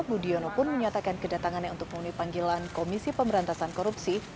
budiono pun menyatakan kedatangannya untuk memenuhi panggilan komisi pemberantasan korupsi